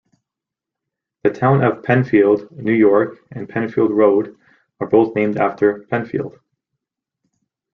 The Town of Penfield, New York and Penfield Road are both named after Penfield.